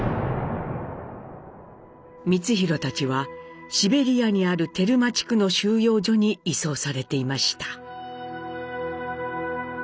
光宏たちはシベリアにあるテルマ地区の収容所に移送されていました。